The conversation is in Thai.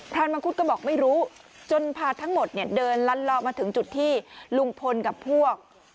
มังคุดก็บอกไม่รู้จนพาทั้งหมดเนี่ยเดินลัดเลาะมาถึงจุดที่ลุงพลกับพวก